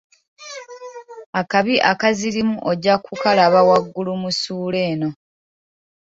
Akabi akazirimu ojja ku kalaba waggulu mu suula eno.